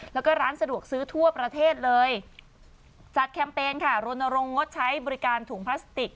แล้วก็ร้านสะดวกซื้อทั่วประเทศเลยจัดแคมเปญค่ะรณรงค์งดใช้บริการถุงพลาสติก